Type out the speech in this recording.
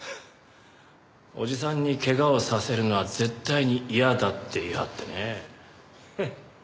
おじさんにケガをさせるのは絶対に嫌だって言い張ってね。